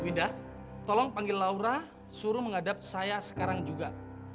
wida tolong panggil laura suruh menghadap saya sekarang juga